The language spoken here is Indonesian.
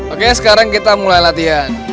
oke sekarang kita mulai latihan